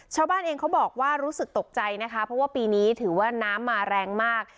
ชาวบ้านเองเขาบอกว่ารู้สึกตกใจนะคะเพราะว่าปีนี้ถือว่าน้ำมาแรงมาก